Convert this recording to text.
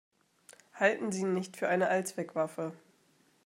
Halten Sie ihn nicht für eine Allzweckwaffe.